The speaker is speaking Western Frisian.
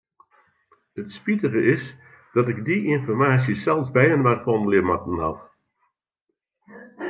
It spitige is dat ik dy ynformaasje sels byinoar fandelje moatten haw.